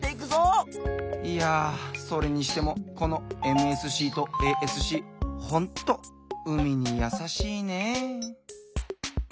いやそれにしてもこのＭＳＣとＡＳＣほんと海にやさしいね！